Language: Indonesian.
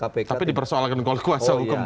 tapi dipersoalkan oleh kuasa hukum